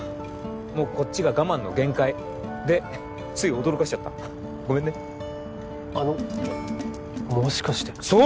もうこっちが我慢の限界でつい驚かしちゃったごめんねあのもしかしてそう！